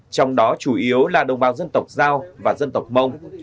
trong đó chủ yếu là đồng bào dân tộc giao và dân tộc mông